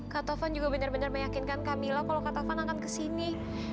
kak taufan juga benar benar meyakinkan kak mila kalau kak taufan akan kesini